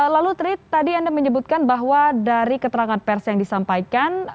lalu tri tadi anda menyebutkan bahwa dari keterangan pers yang disampaikan